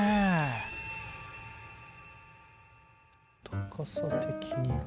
高さ的には。